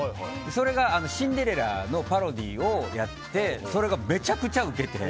それが「シンデレラ」のパロディーをやってそれがめちゃくちゃウケて。